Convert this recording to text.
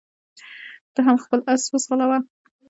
ته هم خپل اس وځغلوه.